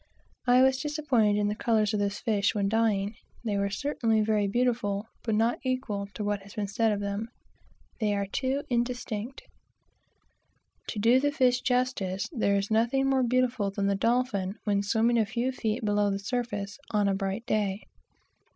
I was disappointed in the colors of this fish when dying. They were certainly very beautiful, but not equal to what has been said of them. They are too indistinct. To do the fish justice, there is nothing more beautiful than the dolphin when swimming a few feet below the surface, on a bright day.